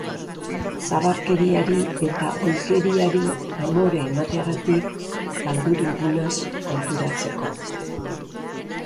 Zabarkeriari eta ohikeriari amore emateagatik galdu dugunaz konturatzeko.